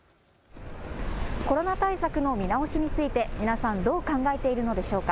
コロナ対策の見直しについて皆さん、どう考えているのでしょうか。